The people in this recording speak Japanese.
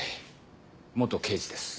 刑事です。